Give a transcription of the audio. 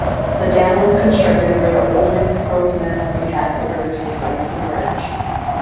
The dam was constructed where the Oldman, Crowsnest, and Castle river systems converge.